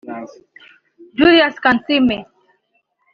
Julius Kansiime